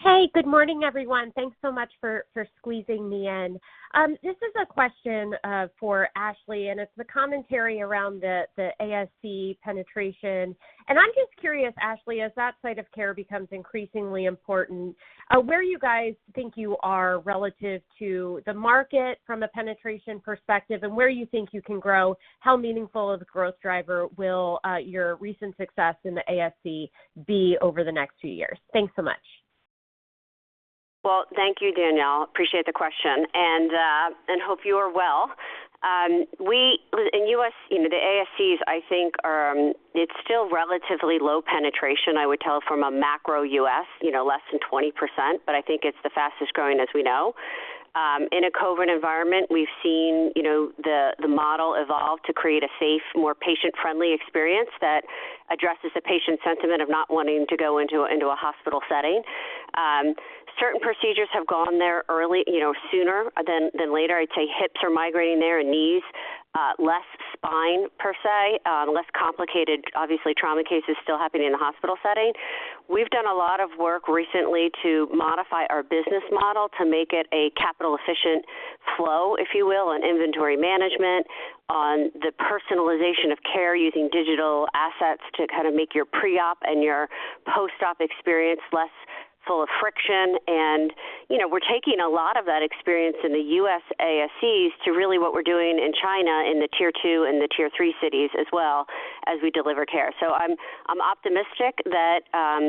Hey, good morning, everyone. Thanks so much for squeezing me in. This is a question for Ashley, and it's the commentary around the ASC penetration. I'm just curious, Ashley, as that site of care becomes increasingly important, where you guys think you are relative to the market from a penetration perspective and where you think you can grow, how meaningful of a growth driver will your recent success in the ASC be over the next few years? Thanks so much. Well, thank you, Danielle. Appreciate the question. Hope you are well. We in U.S., you know, the ASCs I think are, it's still relatively low penetration, I would tell from a macro U.S., you know, less than 20%, but I think it's the fastest growing, as we know. In a COVID environment, we've seen, you know, the model evolve to create a safe, more patient-friendly experience that addresses the patient sentiment of not wanting to go into a hospital setting. Certain procedures have gone there early, you know, sooner than later. I'd say hips are migrating there and knees, less spine per se, less complicated. Obviously, trauma cases still happening in a hospital setting. We've done a lot of work recently to modify our business model to make it a capital efficient flow, if you will, on inventory management, on the personalization of care using digital assets to kind of make your pre-op and your post-op experience less full of friction. You know, we're taking a lot of that experience in the U.S. ASCs to really what we're doing in China in the tier two and the tier three cities as well as we deliver care. I'm optimistic that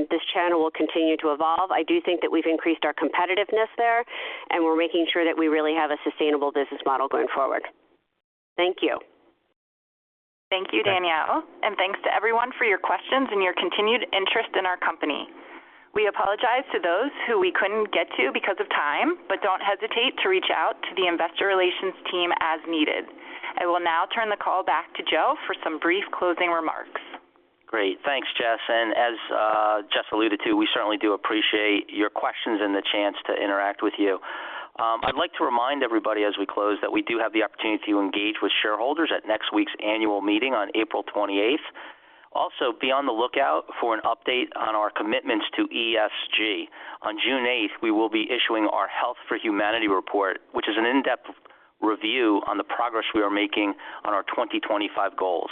this channel will continue to evolve. I do think that we've increased our competitiveness there, and we're making sure that we really have a sustainable business model going forward. Thank you. Thank you, Danielle, and thanks to everyone for your questions and your continued interest in our company. We apologize to those who we couldn't get to because of time, but don't hesitate to reach out to the investor relations team as needed. I will now turn the call back to Joe for some brief closing remarks. Great. Thanks, Jess. As Jess alluded to, we certainly do appreciate your questions and the chance to interact with you. I'd like to remind everybody as we close that we do have the opportunity to engage with shareholders at next week's annual meeting on April 28th. Also, be on the lookout for an update on our commitments to ESG. On June 8th, we will be issuing our Health for Humanity report, which is an in-depth review on the progress we are making on our 2025 goals.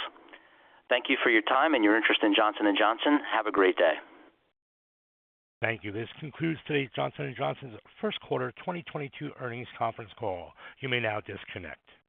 Thank you for your time and your interest in Johnson & Johnson. Have a great day. Thank you. This concludes today's Johnson & Johnson's first quarter 2022 earnings conference call. You may now disconnect.